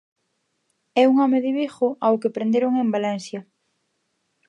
É un home de Vigo ao que prenderon en Valencia.